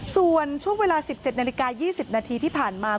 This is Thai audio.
ส่วนช่วงเวลา๑๗นาฬิกา๒๐นาทีที่ผ่านมา